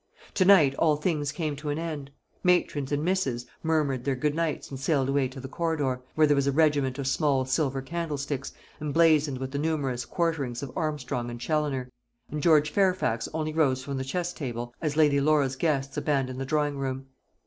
To night all things came to an end: matrons and misses murmured their good nights and sailed away to the corridor, where there was a regiment of small silver candlesticks, emblazoned with the numerous quarterings of Armstrong and Challoner; and George Fairfax only rose from the chess table as Lady Laura's guests abandoned the drawing room.